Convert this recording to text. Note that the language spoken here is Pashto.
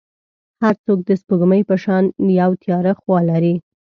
هر څوک د سپوږمۍ په شان یو تیاره خوا لري.